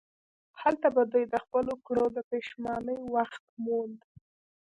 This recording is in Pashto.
هلته به دوی د خپلو کړو د پښیمانۍ وخت موند.